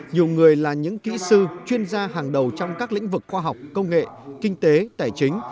nhiều người là những kỹ sư chuyên gia hàng đầu trong các lĩnh vực khoa học công nghệ kinh tế tài chính